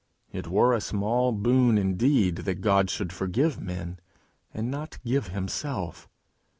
It were a small boon indeed that God should forgive men, and not give himself.